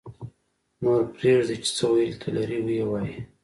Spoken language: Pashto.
-نور پرېږدئ چې څه ویلو ته لري ویې وایي